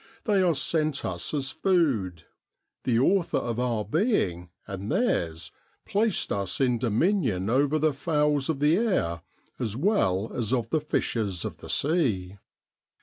They are sent us as food: the Author of our being and theirs placed us in dominion over the fowls of the air as well as of the fishes of the sea.